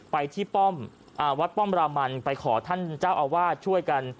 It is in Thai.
ไปที่ป้อมวัดป้อมรามันไปขอท่านเจ้าอาวาสช่วยกัน